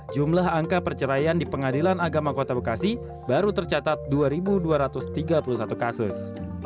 jumlah angka perceraian di pengadilan agama kota bekasi baru tercatat dua dua ratus tiga puluh satu kasus